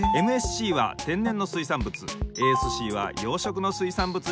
ＭＳＣは天然の水産物ＡＳＣは養殖の水産物についてます。